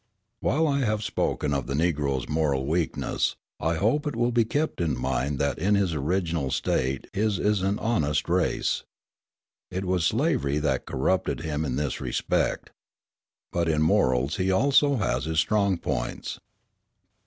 While I have spoken of the Negro's moral weakness, I hope it will be kept in mind that in his original state his is an honest race. It was slavery that corrupted him in this respect. But in morals he also has his strong points.